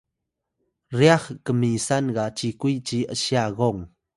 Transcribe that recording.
ryax kmisan ga cikuy ci ’sya gong